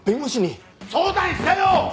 相談したよ！